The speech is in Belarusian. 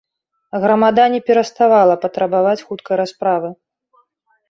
Грамада не пераставала патрабаваць хуткай расправы.